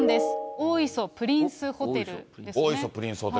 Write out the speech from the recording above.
大磯プリンスホテルですね。